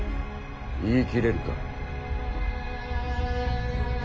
言い切れるか？